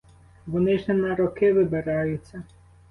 Вони ж не на роки вибираються.